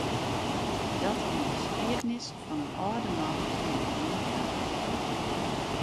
Dat wie in skiednis fan in âlde man en in jonge faam.